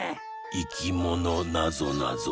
「いきものなぞなぞ」